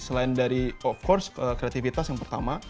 selain dari of course kreativitas yang pertama